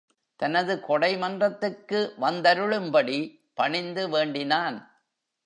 தனது கொடைமன்றத்துக்கு வந்தருளும் படி பணிந்து வேண்டினான்.